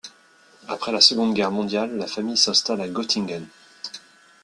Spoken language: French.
Après la seconde guerre mondiale, la famille s'installe à Göttingen.